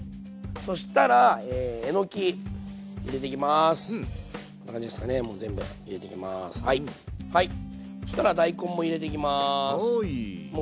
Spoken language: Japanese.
そしたら大根も入れていきます。